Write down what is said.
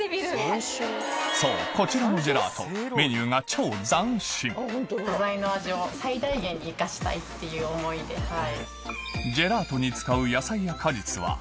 そうこちらのジェラートっていう思いではい。